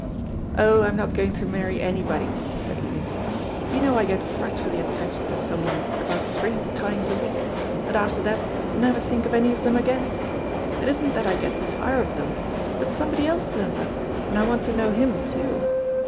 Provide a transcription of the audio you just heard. "Oh, I'm not going to marry anybody," said Edith. "You know I get frightfully attached to someone about three times a week, and after that never think of any of them again. It isn't that I get tired of them, but somebody else turns up, and I want to know him too.